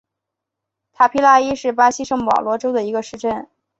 塔皮拉伊是巴西圣保罗州的一个市镇。